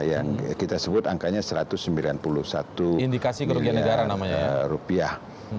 yang kita sebut angkanya satu ratus sembilan puluh satu rupiah